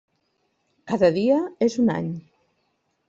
Cada dia és un any.